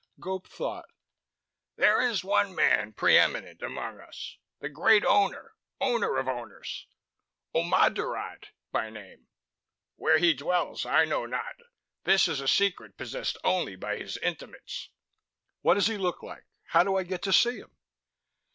Gope thought. "There is one man pre eminent among us: the Great Owner, Owner of Owners: Ommodurad by name. Where he dwells I know not. This is a secret possessed only by his intimates." "What does he look like? How do I get to see him?"